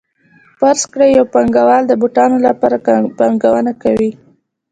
فرض کړئ یو پانګوال د بوټانو لپاره پانګونه کوي